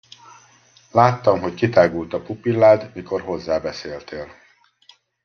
Láttam, hogy kitágult a pupillád, mikor hozzá beszéltél.